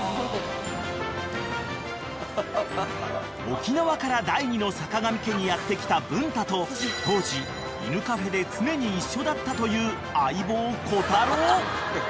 ［沖縄から第２の坂上家にやって来た文太と当時犬カフェで常に一緒だったという相棒コタロウ］